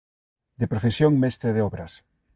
De profesión mestre de obras.